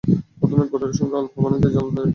প্রথমে গুড়ের সঙ্গে অল্প পানি দিয়ে জ্বাল দিয়ে নিন।